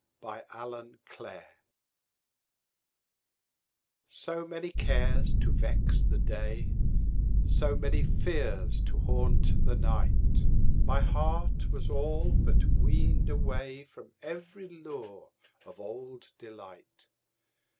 1922. Summer Magic SO many cares to vex the day, So many fears to haunt the night, My heart was all but weaned awayFrom every lure of old delight.